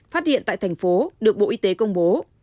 phát hiện tại thành phố được bộ y tế công bố